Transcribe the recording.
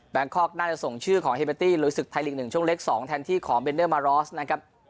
คอกน่าจะส่งชื่อของเฮเบตี้ลุยศึกไทยลีก๑ช่วงเล็ก๒แทนที่ของเบนเดอร์มารอสนะครับ